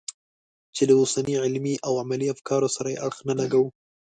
چې د اوسني علمي او عملي افکارو سره یې اړخ نه لګاوه.